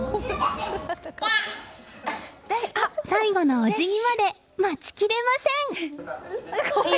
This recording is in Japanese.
最後のお辞儀まで待ちきれません。